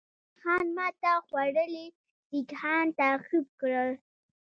جهان خان ماته خوړلي سیکهان تعقیب کړل.